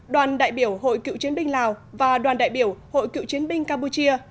đoàn đại biểu hội cựu chiến binh lào và đoàn đại biểu hội cựu chiến binh campuchia